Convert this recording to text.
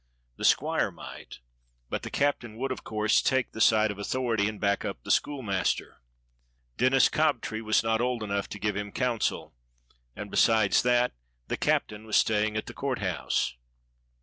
The squire might, but the captain would, of course, take the side of authority, and back up the schoolmaster. Denis Cobtree was not old enough to give him counsel, and, besides that, the captain was staying at the Court House.